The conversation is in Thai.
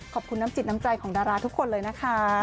ขอบคุณน้ำจิตน้ำใจของดาราทุกคนเลยนะคะ